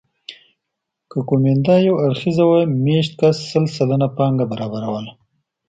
که کومېندا یو اړخیزه وه مېشت کس سل سلنه پانګه برابروله